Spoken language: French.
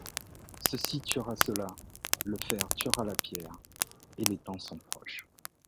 Ceci tuera cela, le fer tuera la pierre, et les temps sont proches…